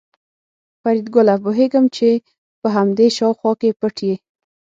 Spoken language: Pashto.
فریدګله پوهېږم چې په همدې شاوخوا کې پټ یې